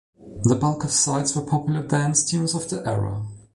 The bulk of sides were popular dance tunes of the era.